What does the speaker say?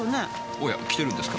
おや着てるんですか？